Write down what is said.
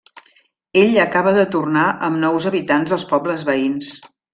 Ell acaba de tornar amb nous habitants dels pobles veïns.